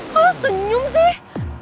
lo senyum sih